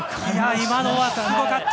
今のはすごかった。